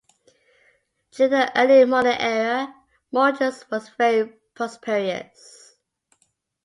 During the early modern era, Morges was very prosperous.